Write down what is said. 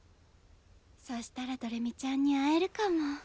そしたらどれみちゃんに会えるかも。